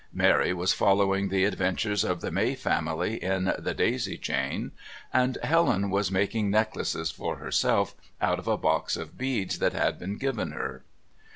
Mary was following the adventures of the May family in "The Daisy Chain," and Helen was making necklaces for herself out of a box of beads that had been given her.